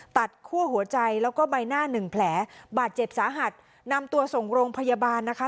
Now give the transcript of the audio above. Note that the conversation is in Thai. คั่วหัวใจแล้วก็ใบหน้าหนึ่งแผลบาดเจ็บสาหัสนำตัวส่งโรงพยาบาลนะคะ